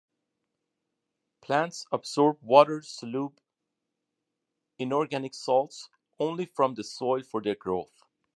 Plants absorb water-soluble inorganic salts only from the soil for their growth.